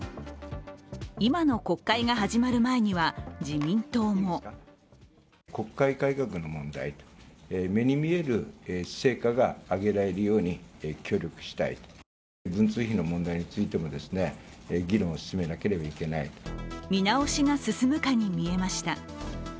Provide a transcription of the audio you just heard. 今の国会が始まる前には、自民党も見直しが進むかにみえました。